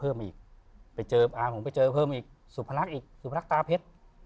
เพิ่มอีกไปเจออ่าผมไปเจอเพิ่มอีกสุพรรคอีกสุพรักตาเพชร